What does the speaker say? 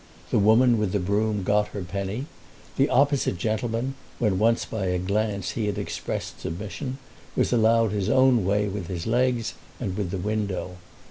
The woman with the broom got her penny. The opposite gentleman when once by a glance he had expressed submission was allowed his own way with his legs and with the window.